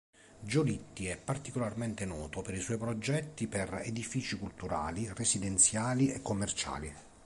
Gigliotti è particolarmente noto per i suoi progetti per edifici culturali, residenziali e commerciali.